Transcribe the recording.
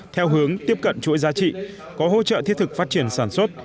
theo hướng tiếp cận chuỗi giá trị có hỗ trợ thiết thực phát triển sản xuất